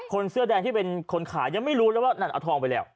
เสื้อแดงที่เป็นคนขายยังไม่รู้เลยว่านั่นเอาทองไปแล้ว